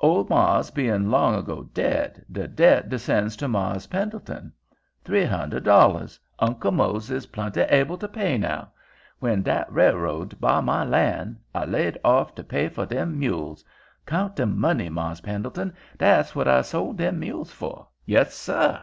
Old mars' bein' long ago dead, de debt descends to Mars' Pendleton. Three hundred dollars. Uncle Mose is plenty able to pay now. When dat railroad buy my lan' I laid off to pay fur dem mules. Count de money, Mars' Pendleton. Dat's what I sold dem mules fur. Yessir."